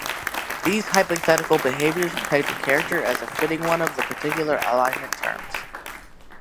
These hypothetical behaviors pegged a character as fitting one of the particular alignment terms.